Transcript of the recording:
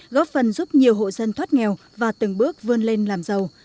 góp phần giúp nhiều hộ dân thoát nghèo và từng bước vươn lên làm giàu